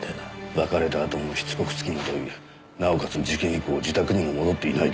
別れたあともしつこく付きまといなおかつ事件以降自宅にも戻っていないとの事です。